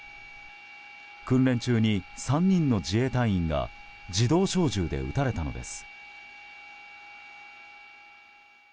訓練中に３人の自衛隊員が自動小銃で撃たれたのです。